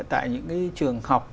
tại những cái trường học